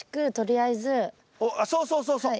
あっそうそうそうそう。